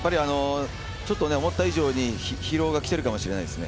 思った以上に疲労がきているかもしれないですね。